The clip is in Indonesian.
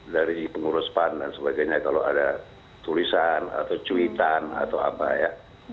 dari pengurus pan dan sebagainya kalau ada tulisan atau cuitan atau apa ya